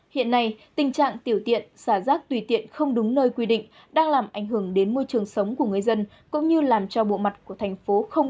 hiện nay tình trạng tiểu tiện xả rác tùy tiện không đúng nơi quy định đang làm ảnh hưởng